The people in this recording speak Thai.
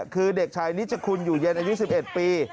คือเด็กชายนิจคุณอยู่เย็นอายุ๑๑ปี